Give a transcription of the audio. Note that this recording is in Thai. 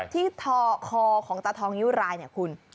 ที่ถอคอของตาทองเงียวไรคุณ